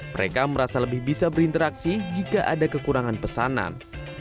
mereka merasa lebih bisa berinteraksi jika ada kekurangan pesanan